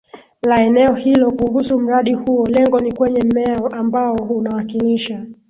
la eneo hilo kuhusu mradi huo Lengo ni kwenye mmea ambao unawakilisha